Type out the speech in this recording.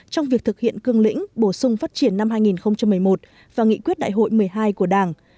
trong việc thực hiện cương lĩnh bổ sung phát triển năm hai nghìn một mươi một và nghị quyết đại hội một mươi hai của đảng